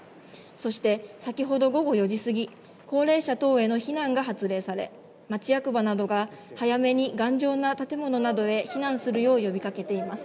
そして、先ほど午後４時過ぎ、高齢者等への避難が発令され、町役場などが、早めに頑丈な建物などへ避難するよう呼びかけています。